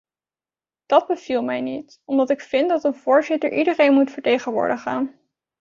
Dat beviel mij niet, omdat ik vind dat een voorzitter iedereen moet vertegenwoordigen.